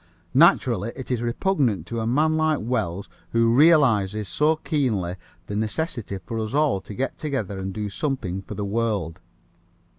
Naturally it is repugnant to a man like Wells, who realizes so keenly the necessity for us all to get together and do something for the world.